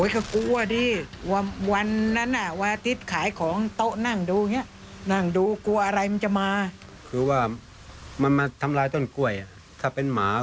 จะสว่างหกโมงห้าสิบออกมาต้นกล้วยลมไปแล้ว